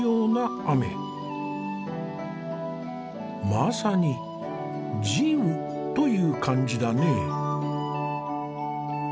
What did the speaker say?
まさに「慈雨」という感じだね。